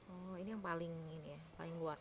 oh ini yang paling ini ya paling luar